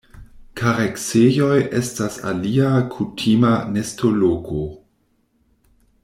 Kareksejoj estas alia kutima nestoloko.